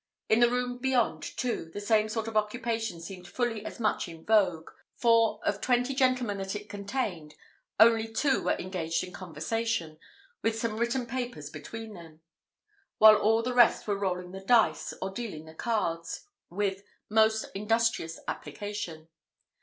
In the room beyond, too, the same sort of occupation seemed fully as much in vogue; for, of twenty gentlemen that it contained, only two were engaged in conversation, with some written papers between them; while all the rest were rolling the dice, or dealing the cards, with most industrious application.